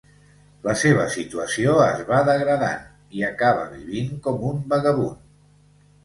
La seva situació es va degradant i acaba vivint com un vagabund.